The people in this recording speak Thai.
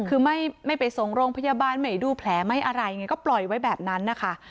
คือไม่ไปส่งโรงพยาบาลไม่ดูแผลไม่อะไรไงก็ปล่อยไว้แบบนั้นนะคะ